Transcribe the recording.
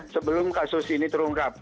sebelum kasus ini terungkap